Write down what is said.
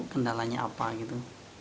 kendalanya apa gitu